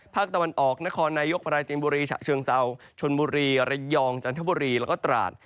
ภาคตะวันออกนครนายกปราจินบุรีฉะเชิงเซาชนบุรีระยองจันทบุรีแล้วก็ตราด